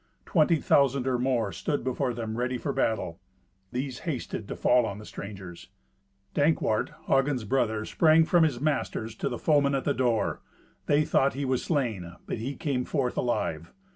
Twenty thousand or more stood before them ready for battle. These hasted to fall on the strangers. Dankwart, Hagen's brother, sprang from his masters to the foemen at the door. They thought he was slain, but he came forth alive.